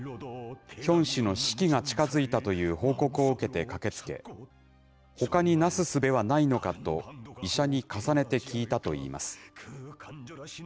ヒョン氏の死期が近づいたという報告を受けて駆けつけ、ほかになすすべはないのかと、医者に重ねて聞いたといいます。